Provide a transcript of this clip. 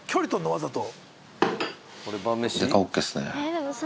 わざと。